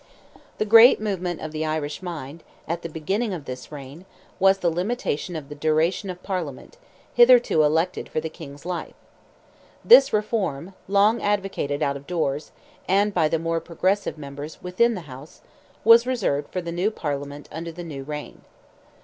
The great movement of the Irish mind, at the beginning of this reign, was the limitation of the duration of Parliament, hitherto elected for the King's life. This reform, long advocated out of doors, and by the more progressive members within the House, was reserved for the new Parliament under the new reign.